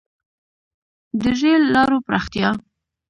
• د رېل لارو پراختیا.